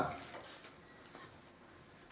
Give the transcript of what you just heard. kemudian dari beberapa saksi yang kita lakukan